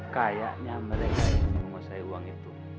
kita kayaknya mereka yang nunggu saya uang itu